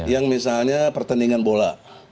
yang misalnya pertandingan bola